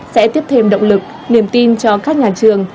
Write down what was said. sẽ tiếp thêm động lực niềm tin cho các nhà trường